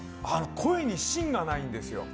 声に芯がないんですよ。